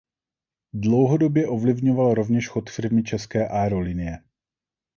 Dlouhodobě ovlivňoval rovněž chod firmy České aerolinie.